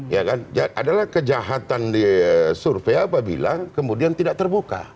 ya kan adalah kejahatan di survei apabila kemudian tidak terbuka